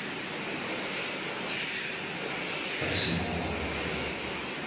私も怖かったですよ。